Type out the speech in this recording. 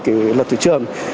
kỷ luật thủy trường